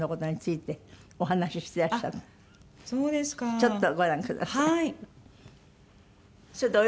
ちょっとご覧ください。